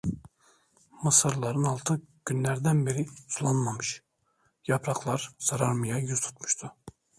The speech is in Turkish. Mısırların altı günlerden beri sulanmamış, yapraklar sararmaya yüz tutmuştu.